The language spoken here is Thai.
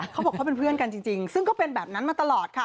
เขาบอกเขาเป็นเพื่อนกันจริงซึ่งก็เป็นแบบนั้นมาตลอดค่ะ